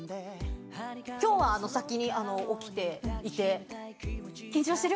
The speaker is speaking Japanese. きょうは先に起きていて、緊張してる？